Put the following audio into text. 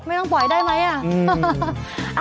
ไม่ต้องปล่อยได้ไหมอ่ะ